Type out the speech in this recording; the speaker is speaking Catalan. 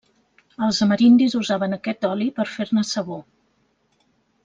Els amerindis usaven aquest oli per fer-ne sabó.